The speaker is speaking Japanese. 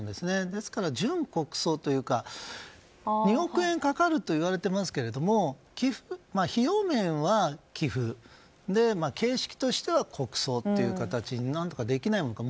ですから、準国葬というか２億円かかるといわれていますが費用面は寄付で形式としては国葬という形に何とかできないのか。